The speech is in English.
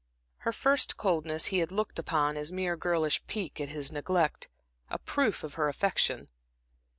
Her first coldness he had looked upon as mere girlish pique at his neglect, a proof of her affection.